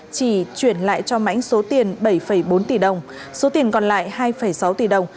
chỉ chuyển lại cho mãnh số tiền bảy bốn tỷ đồng số tiền còn lại hai sáu tỷ đồng